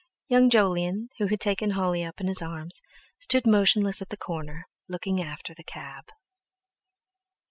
Young Jolyon, who had taken Holly up in his arms, stood motionless at the corner, looking after the cab.